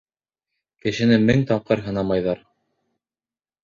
Кешене мең тапҡыр һынамайҙар.